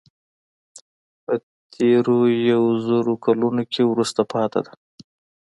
په تېرو یو زر کلونو کې وروسته پاتې ده.